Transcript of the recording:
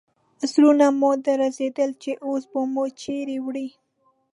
زړونه مو درزېدل چې اوس به مو چیرې وړي.